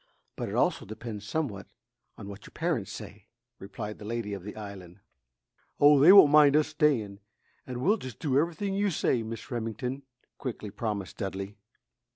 But it also depends somewhat on what your parents say," replied the lady of the island. "Oh, they won't mind us stayin' and we'll do just everything you say, Miss Remington!" quickly promised Dudley.